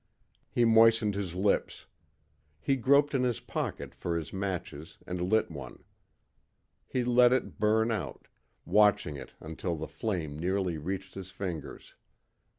He moistened his lips. He groped in his pocket for his matches and lit one. He let it burn out, watching it until the flame nearly reached his fingers.